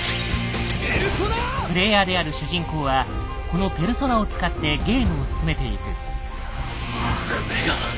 プレイヤーである主人公はこのペルソナを使ってゲームを進めていく。